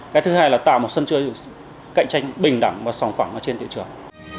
cái thứ hai là tạo một sân chơi cạnh tranh bình đẳng và sòng phẳng trên thị trường